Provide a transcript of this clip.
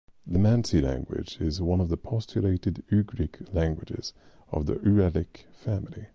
The Mansi language is one of the postulated Ugric languages of the Uralic family.